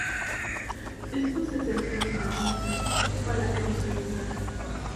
Estos se acercaron a Visnú para que los ayudara.